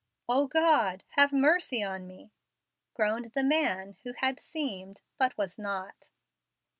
"O God! have mercy on me!" groaned the man who had seemed, but was not.